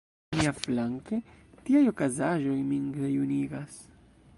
Miaflanke, tiaj okazaĵoj min rejunigas.